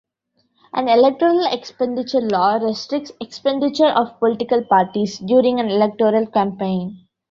An 'electoral expenditure' law restricts expenditure of political parties during an electoral campaign.